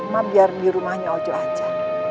mak biar di rumahnya ojo aja